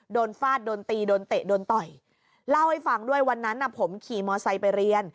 ฟาดโดนตีโดนเตะโดนต่อยเล่าให้ฟังด้วยวันนั้นผมขี่มอไซค์ไปเรียน